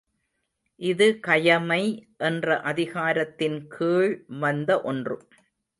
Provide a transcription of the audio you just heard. இது கயமை என்ற அதிகாரத்தின் கீழ் வந்த ஒன்று.